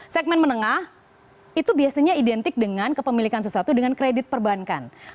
segmen menengah itu biasanya identik dengan kepemilikan sesuatu dengan kredit perbankan